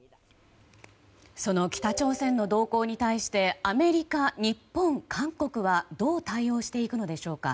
その北朝鮮の動向に対してアメリカ、日本、韓国はどう対応していくのでしょうか。